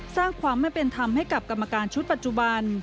สร้างความไม่เป็นธรรมให้กับกรรมการชุดปัจจุบัน